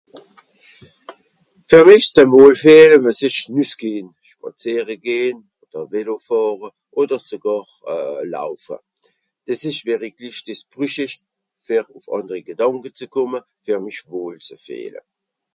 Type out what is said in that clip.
fer mìch zem wohlfüehle muess ìch nüss gehn, spàziere gehn, oder vélo fàhre oder zegàr euh laufe. Dìss ìsch wìriklich, diss brüch ìch fer uff ànderi gedànke ze komme, fer mich wohl ze füehle